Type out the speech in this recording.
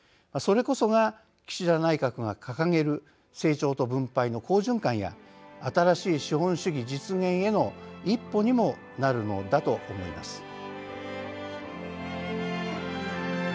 それこそが、岸田内閣が掲げる「成長と分配の好循環」や「新しい資本主義実現」への一歩にもなるのだと思います。